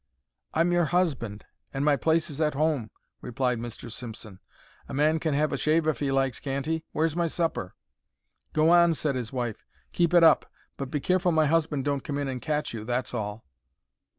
"I'm your husband, and my place is at home," replied Mr. Simpson. "A man can have a shave if he likes, can't he? Where's my supper?" "Go on," said his wife. "Keep it up. But be careful my husband don't come in and catch you, that's all."